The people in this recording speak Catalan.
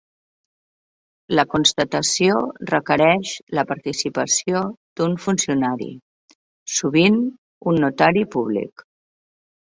La constatació requereix la participació d'un funcionari, sovint un notari públic.